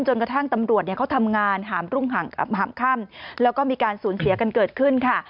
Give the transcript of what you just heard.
จนกระทั่งตำรวจเขาทำงานหามรุ่งหามค่ำแล้วก็มีการสูญเสียกันเกิดขึ้นค่ะ